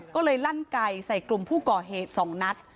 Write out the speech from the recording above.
ก็เลยลั่นไก่ใส่กลุ่มผู้ก่อเหตุ๒นัด